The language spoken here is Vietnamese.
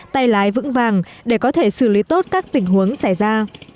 tay lái vững vàng để có thể xử lý tốt các tình huống xảy ra